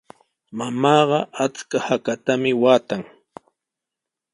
Mamaaqa achka haatami waatan.